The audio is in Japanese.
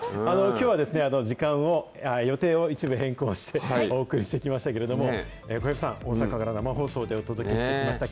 きょうはですね、予定を一部変更してお送りしてきましたけれども、小籔さん、大阪から生放送でお送りしてきました